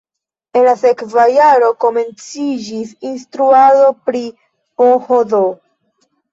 En la sekva jaro komenciĝis instruado pri PhD.